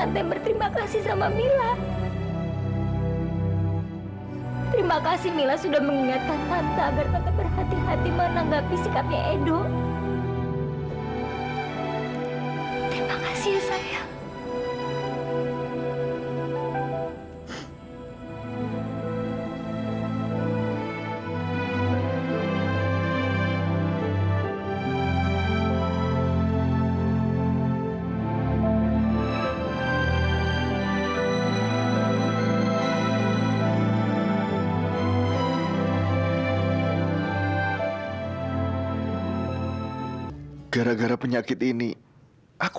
terima kasih tante